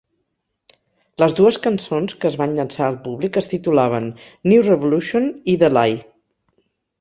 Les dues cançons que es van llançar al públic es titulaven "New Revolution" i "The Lie".